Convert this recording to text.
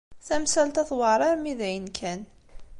Tamsalt-a tewɛeṛ armi d ayen kan.